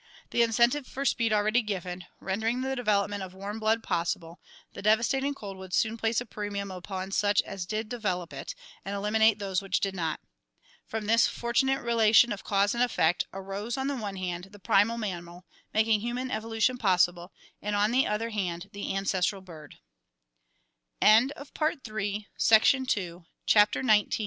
The incentive for speed already given, rendering the development of warm blood possible, the devastating cold would soon place a premium upon such as did develop it and eliminate those which did not. From this fortunate relation of cause and effect arose on the one hand the primal mammal, making human evolution possible, and on the other hand the ancestral